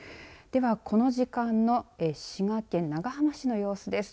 では、この時間の滋賀県長浜市の様子です。